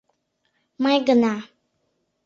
Мый гына...